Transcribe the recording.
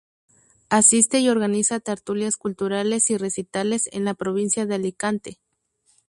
Asiste y organiza tertulias culturales y recitales en la provincia de Alicante.